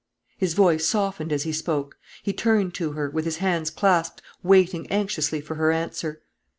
His voice softened as he spoke. He turned to her, with his hands clasped, waiting anxiously for her answer.